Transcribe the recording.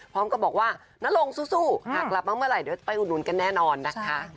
พร้อมกับบอกว่านรงสู้หากกลับมาเมื่อไหร่เดี๋ยวไปอุดหนุนกันแน่นอนนะคะ